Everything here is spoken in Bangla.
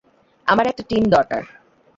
আমার একটা টিম দরকার।